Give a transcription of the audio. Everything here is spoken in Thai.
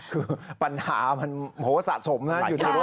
คือปัญหามันโหสะสมนะอยู่ในรถ